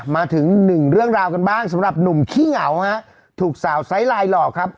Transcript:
มาถึงหนึ่งเรื่องราวกันบ้างสำหรับหนุ่มขี้เหงาฮะถูกสาวไซส์ไลน์หลอกครับ